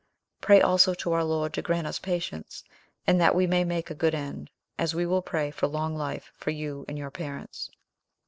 Pray also to our Lord to grant us patience, and that we may make a good end; as we will pray for long life for you and your parents."